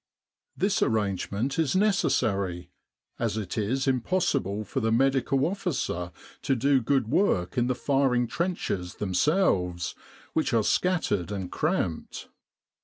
This arrangement is necessary, as it is impossible for the Medical Officer to do good work in the firing trenches themselves, which are scattered and cramped.